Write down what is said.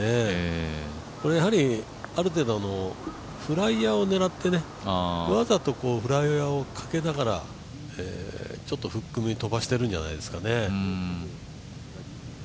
ある程度フライヤーを狙ってわざとフライヤーをかけながらちょっとフック気味に飛ばしてるんじゃないですかね。